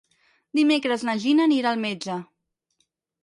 Dimecres na Gina anirà al metge.